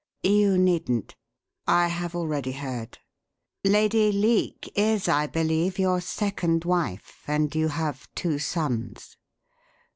"You needn't. I have already heard. Lady Leake is, I believe, your second wife, and you have two sons."